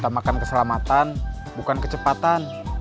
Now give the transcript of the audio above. utamakan keselamatan bukan kecepatan